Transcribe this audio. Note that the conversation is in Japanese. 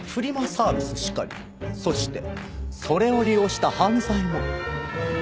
サービスしかりそしてそれを利用した犯罪も。